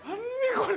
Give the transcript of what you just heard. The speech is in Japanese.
これ！